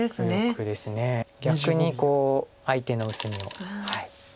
逆に相手の薄みを狙って。